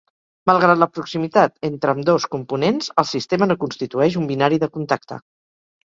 Malgrat la proximitat entre ambdós components, el sistema no constitueix un binari de contacte.